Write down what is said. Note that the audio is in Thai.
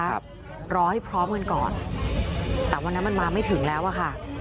ครับรอให้พร้อมกันก่อนแต่วันนั้นมันมาไม่ถึงแล้วอ่ะค่ะ